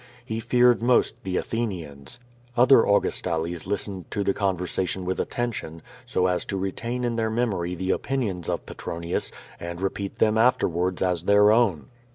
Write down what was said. He feared most the Athenians. Other Augustales listened to the conversation with attention, so as to retain in their memory the opinions of Petronius, and repeat them afterwards as their o\^'n.